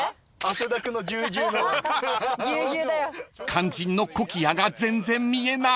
［肝心のコキアが全然見えない］